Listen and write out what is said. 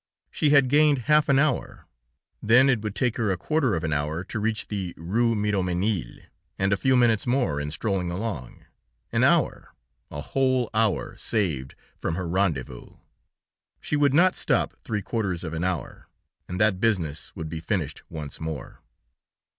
She had gained half an hour; then it would take her a quarter of an hour to reach the Rue Miromesnil, and a few minutes more in strolling along an hour! a whole hour saved from her rendez vous! She would not stop three quarters of an hour, and that business would be finished once more.